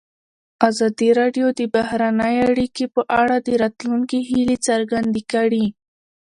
ازادي راډیو د بهرنۍ اړیکې په اړه د راتلونکي هیلې څرګندې کړې.